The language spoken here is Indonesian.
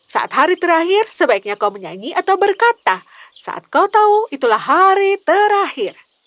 saat hari terakhir sebaiknya kau menyanyi atau berkata saat kau tahu itulah hari terakhir